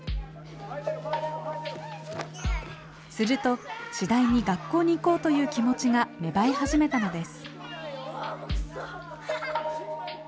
すると次第に学校に行こうという気持ちが芽生え始めたのです。